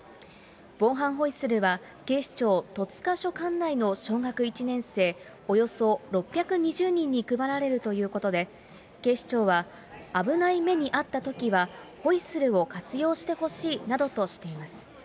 防犯ホイッスルは警視庁戸塚署管内の小学１年生およそ６２０人に配られるということで、警視庁は、危ない目に遭ったときはホイッスルを活用してほしいなどとしています。